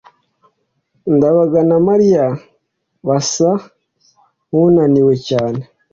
ndabaga na mariya basa nkunaniwe cyane